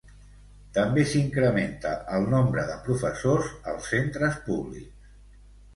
També s'incrementa el nombre de professors als centres públics.